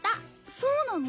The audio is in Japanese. そうなの？